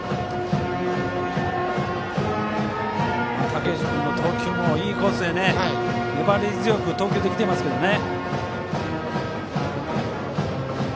武内君の投球もいいコースへ粘り強く投球できていますけどね。